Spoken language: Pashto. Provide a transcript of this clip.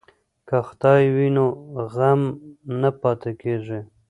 که خندا وي نو غم نه پاتې کیږي.